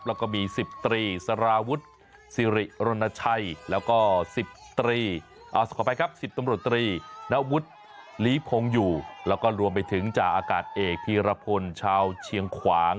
แล้วก็มี๑๐ตรีสารวุฒิสิริรณชัยแล้วก็๑๐ขออภัยครับ๑๐ตำรวจตรีนวุฒิหลีพงอยู่แล้วก็รวมไปถึงจ่าอากาศเอกพีรพลชาวเชียงขวาง